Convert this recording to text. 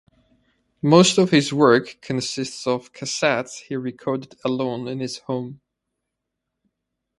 Most of his work consists of cassettes he recorded alone in his home.